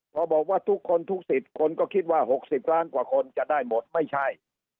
พอบอกว่าทุกคนทุกสิทธิ์คนก็คิดว่า๖๐ล้านกว่าคนจะได้หมดไม่ใช่